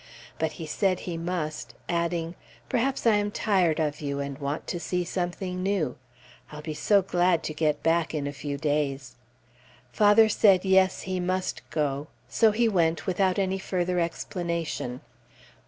But he said he must, adding, "Perhaps I am tired of you, and want to see something new. I'll be so glad to get back in a few days." Father said yes, he must go, so he went without any further explanation.